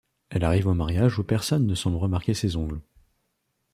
Elle arrive au mariage où personne ne semble remarquer ses ongles.